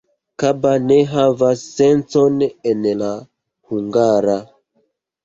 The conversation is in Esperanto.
Kaba ne havas sencon en la hungara.